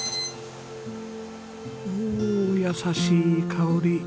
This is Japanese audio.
おお優しい香り。